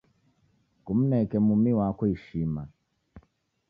Kumneke mumi wako ishima